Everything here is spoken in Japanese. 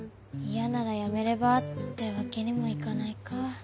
嫌ならやめればってわけにもいかないか。